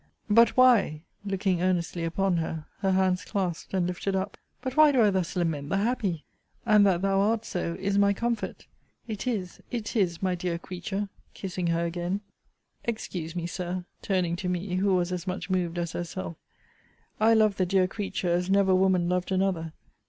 But why, looking earnestly upon her, her hands clasped and lifted up But why do I thus lament the HAPPY? And that thou art so, is my comfort. It is, it is, my dear creature! kissing her again. Excuse me, Sir, [turning to me, who was as much moved as herself,] I loved the dear creature, as never woman loved another.